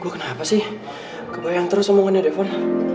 gue kenapa sih kebayang terus omongannya devon